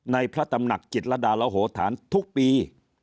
พระตำหนักจิตรดารโหธานทุกปี